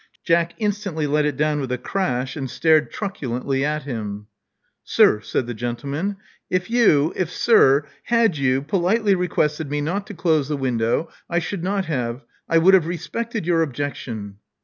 Jack instantly let it down with a crash, and stared truculently at him. Sir," said the gentleman: *'if, you — if sir — had you politely requested me not to close the window, I should not have — I would have respected your objection."